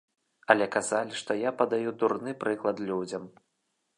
Але казалі, што я падаю дурны прыклад людзям.